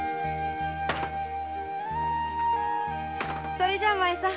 それじゃお前さん